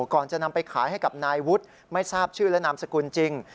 ก่อนจะนำไปขายให้กับนายวุฒิไม่ทราบชื่อและนามสกุลจริง